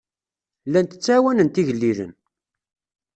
Llant ttɛawanent igellilen.